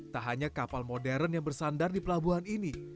tak hanya kapal modern yang bersandar di pelabuhan ini